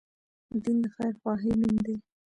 دين د خير خواهي نوم دی